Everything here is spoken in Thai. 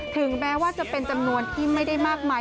ถึงแม้ว่าจะเป็นจำนวนที่ไม่ได้มากมาย